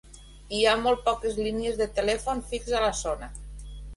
Hi ha molt poques línies de telèfon fix a la zona.